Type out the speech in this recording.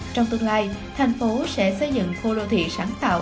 trong tương lai thành phố sẽ xây dựng khu đô thị sáng tạo